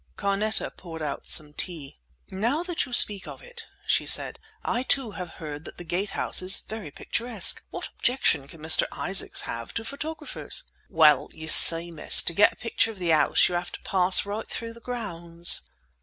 Carneta poured out some tea. "Now that you speak of it," she said, "I too have heard that the Gate House is very picturesque. What objection can Mr. Isaacs have to photographers?" "Well, you see, miss, to get a picture of the house, you have to pass right through the grounds."